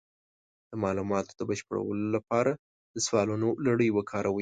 د معلوماتو د بشپړولو لپاره د سوالونو لړۍ وکاروئ.